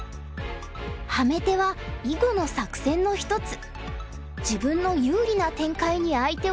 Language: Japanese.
ハメ手は囲碁の作戦の一つ。